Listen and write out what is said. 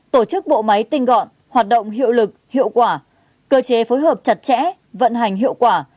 tổ chức bộ máy tinh gọn hoạt động hiệu lực hiệu quả cơ chế phối hợp chặt chẽ vận hành hiệu quả